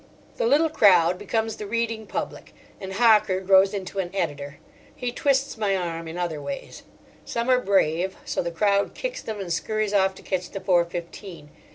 The little crowd becomes the reading public, and Hocker grows into an editor; he twists my arm in other ways. Some are brave, so the crowd kicks them and scurries off to catch the four fifteen.